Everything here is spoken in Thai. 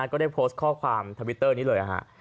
ก็ได้โพสต์ข้อความทวิตเตอร์นี้เลยฮะ